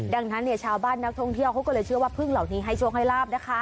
ดังนั้นเนี่ยชาวบ้านนักท่องเที่ยวเขาก็เลยเชื่อว่าพึ่งเหล่านี้ให้โชคให้ลาบนะคะ